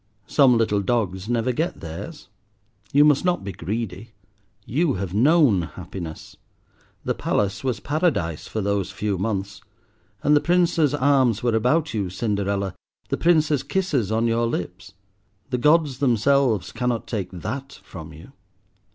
Some little dogs never get theirs. You must not be greedy. You have known happiness. The palace was Paradise for those few months, and the Prince's arms were about you, Cinderella, the Prince's kisses on your lips; the gods themselves cannot take that from you.